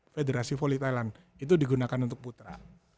federasi voli thailand itu digunakan untuk putra